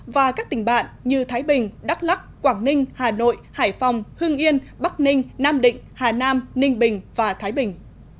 và các tỉnh bạn như thái bình đắk lắc quảng ninh hà nội hải phòng hưng yên bắc ninh nam định hà nam ninh bình và thái bình